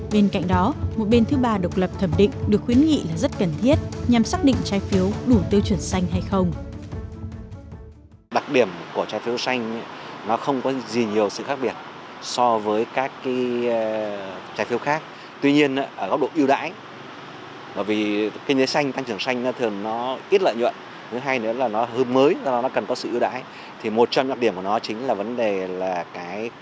bên cạnh đó một bên thứ ba độc lập thẩm định được khuyến nghị là rất cần thiết nhằm xác định trái phiếu đủ tiêu chuẩn xanh hay không